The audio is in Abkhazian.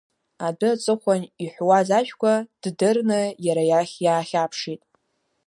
Адәы аҵыхәан иҳәуаз ажәқәа, ддырны иара иахь иаахьаԥшит.